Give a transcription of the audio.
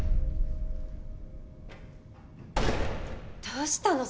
どうしたの？